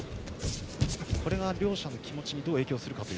これが両者の気持ちにどう影響するか。